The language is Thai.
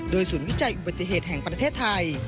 ศูนย์วิจัยอุบัติเหตุแห่งประเทศไทย